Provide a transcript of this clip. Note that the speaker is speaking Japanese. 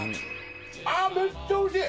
あっ、めっちゃおいしい！